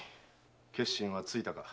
決心はついたか？